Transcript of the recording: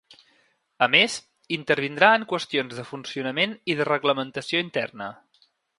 A més, intervindrà en qüestions de funcionament i de reglamentació interna.